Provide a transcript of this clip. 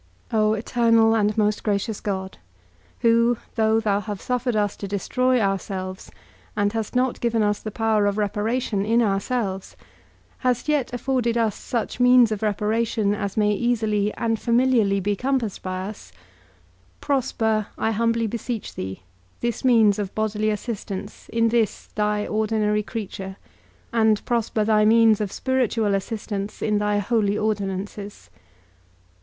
O eternal and most gracious God, who, though thou have suffered us to destroy ourselves, and hast not given us the power of reparation in ourselves, hast yet afforded us such means of reparation as may easily and familiarly be compassed by us, prosper, I humbly beseech thee, this means of bodily assistance in this thy ordinary creature, and prosper thy means of spiritual assistance in thy holy ordinances.